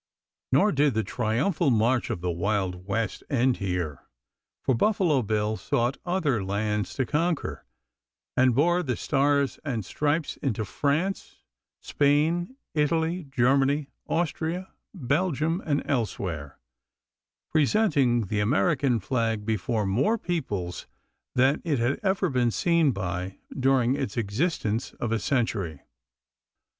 Nor did the triumphal march of the Wild West end here, for Buffalo Bill sought other lands to conquer, and bore the stars and stripes into France, Spain, Italy, Germany, Austria, Belgium, and elsewhere, presenting the American flag before more peoples than it had ever been seen by during its existence of a century.